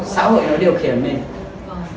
xã hội nó điều khiển mình